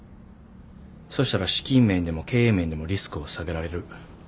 そしたら資金面でも経営面でもリスクを下げられる。